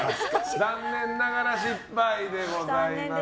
残念ながら失敗でございます。